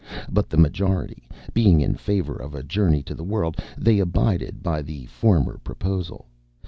But the majority being in favour of a journey to the world, they abided by the former proposal.